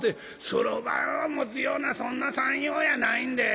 「そろばんを持つようなそんな算用やないんで」。